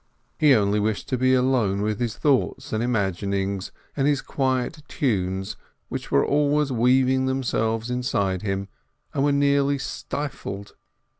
He only wished to be alone with his thoughts and imaginings, and his quiet "tunes," which were always weaving themselves inside him, and were nearly stifled.